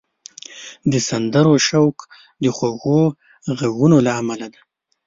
د سندرو شوق د خوږو غږونو له امله دی